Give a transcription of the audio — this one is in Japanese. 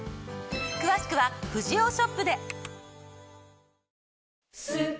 詳しくはフジオーショップで！